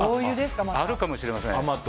あるかもしれません。